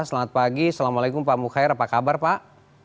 selamat pagi assalamualaikum pak mukhair apa kabar pak